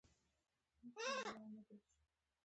مجاهد د محرومو خلکو لاسنیوی کوي.